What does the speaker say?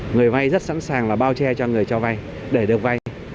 người vay rất sẵn sàng là bao che cho người cho vay để được vay